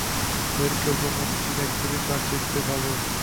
Sper că vom obține curând aceste valori.